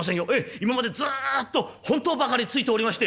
今までずっと本当ばかりついておりまして」。